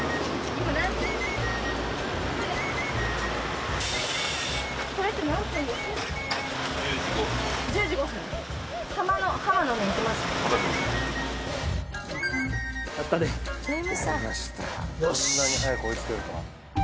こんなに早く追いつけるとは。